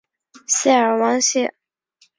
塞尔旺谢。